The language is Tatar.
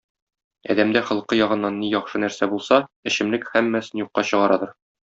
Адәмдә холкы ягыннан ни яхшы нәрсә булса, эчемлек һәммәсен юкка чыгарадыр.